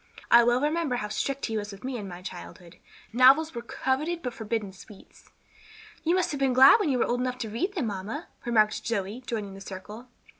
"I well remember how strict he was with me in my childhood; novels were coveted but forbidden sweets." "You must have been glad when you were old enough to read them, mamma," remarked Zoe, joining the circle.